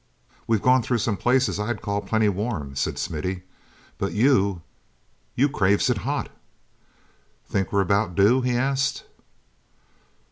"We've gone through some places I'd call plenty warm," said Smithy, "but you—you craves it hot! Think we're about due?" he asked.